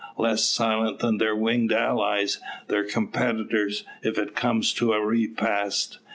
Less silent than their winged allies their competitors, if it come to a repast.